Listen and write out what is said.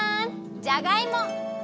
じゃがいも！